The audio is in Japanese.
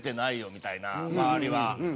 みたいな周りは。